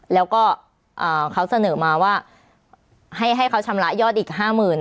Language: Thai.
แล้วก็อ่าเขาเสนอมาว่าให้ให้เขาชำระยอดอีกห้าหมื่น